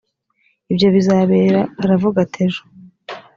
ibyo bizabera aravuga ati ejo